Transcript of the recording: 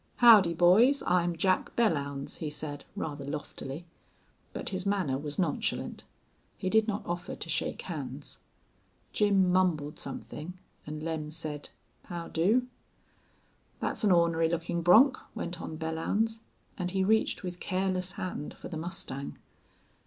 "Howdy, boys! I'm Jack Belllounds," he said, rather loftily. But his manner was nonchalant. He did not offer to shake hands. Jim mumbled something, and Lem said, "Hod do." "That's an ornery looking bronc," went on Belllounds, and he reached with careless hand for the mustang.